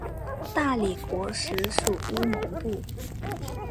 大理国时属乌蒙部。